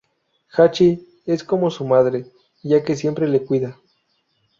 Hachi es como su madre, ya que siempre le cuida.